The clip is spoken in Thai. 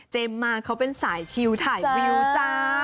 มาเขาเป็นสายชิลถ่ายวิวจ้า